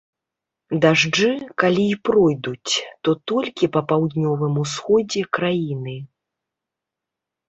Дажджы, калі і пройдуць, то толькі па паўднёвым усходзе краіны.